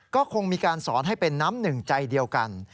ก็คงมีการสอนให้เป็นน้ำหนึ่งใจเดียวกัน